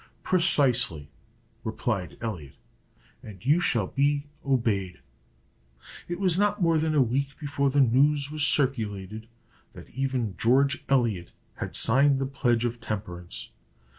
"Precisely," replied Elliot: "and you shall be obeyed." It was not more than a week before the news was circulated that even George Elliot had signed the pledge of temperance.